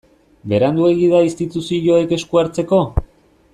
Beranduegi da instituzioek esku hartzeko?